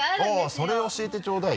それを教えてちょうだいよ。